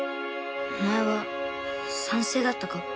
お前は賛成だったか？